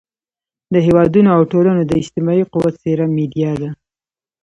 د هېوادونو او ټولنو د اجتماعي قوت څېره میډیا ده.